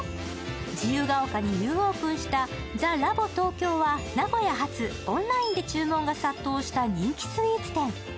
自由が丘にニューオープンしたＴＨＥＬＡＢＴＯＫＹＯは名古屋発、オンラインで注目が殺到した人気スイーツ店。